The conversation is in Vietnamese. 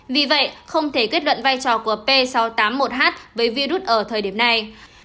vì vậy không thể kết luận vai trò của p sáu trăm tám mươi một h với virus ở thời điểm này